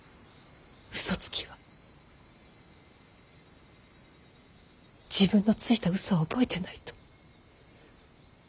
嘘つきは自分のついた嘘は覚えてないと。